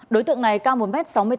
đối tượng này cao một m sáu mươi tám